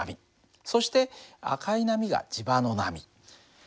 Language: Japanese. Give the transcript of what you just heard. そして赤い波が磁場の波。